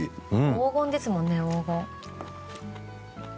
黄金ですもんね黄金。